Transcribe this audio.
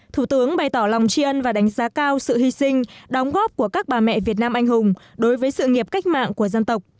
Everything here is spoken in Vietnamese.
thủ tướng bày tỏ lòng tri ân và đánh giá cao sự hy sinh đóng góp của các bà mẹ việt nam anh hùng đối với sự nghiệp cách mạng của dân tộc